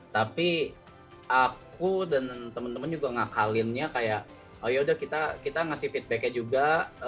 tapi aku dan temen temen juga ngakalinnya kayak ya udah kita ngasih feedbacknya juga